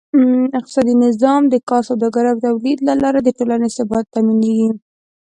اقتصادي نظام: د کار، سوداګرۍ او تولید له لارې د ټولنې ثبات تأمینېږي.